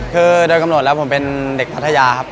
คือโดยกำหนดแล้วผมเป็นเด็กพัทยาครับ